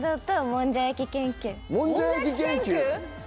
もんじゃ焼き研究？